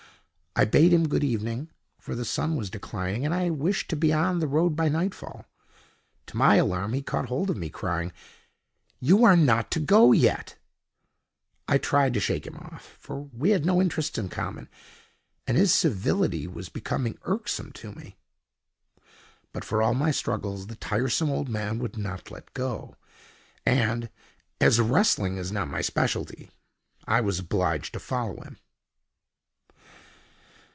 I bade him good evening, for the sun was declining, and I wished to be on the road by nightfall. To my alarm, he caught hold of me, crying: "You are not to go yet!" I tried to shake him off, for we had no interests in common, and his civility was becoming irksome to me. But for all my struggles the tiresome old man would not let go; and, as wrestling is not my speciality, I was obliged to follow him.